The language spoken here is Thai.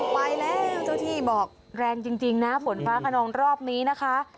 ไปแล้วเจ้าที่บอกแรงจริงนะฝนฟ้าขนองรอบนี้นะคะ